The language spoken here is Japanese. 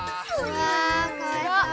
うわかわいそう。